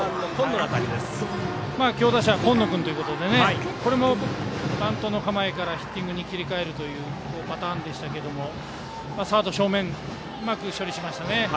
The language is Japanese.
強打者の今野君ということでこれも、バントの構えからヒッティングに切り替えるというパターンでしたけどサード正面でうまく処理しました。